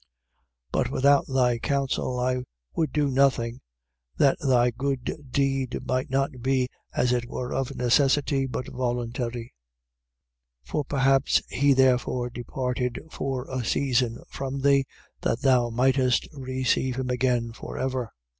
But without thy counsel I would do nothing: that thy good deed might not be as it were of necessity, but voluntary. 1:15. For perhaps he therefore departed for a season from thee that thou mightest receive him again for ever: 1:16.